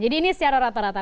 jadi ini secara rata rata